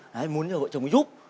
này muốn nhờ vợ chồng mình giúp